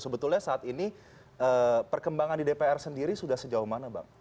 sebetulnya saat ini perkembangan di dpr sendiri sudah sejauh mana bang